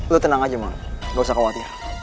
lo tenang aja mon gak usah khawatir